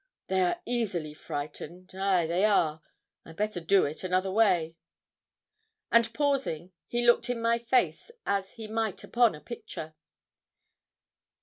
'They are easily frightened ay, they are. I'd better do it another way.' And pausing, he looked in my face as he might upon a picture.